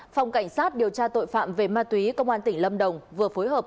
phòng cảnh sát điều tra tội phạm về ma túy công an tỉnh lâm đồng vừa phối hợp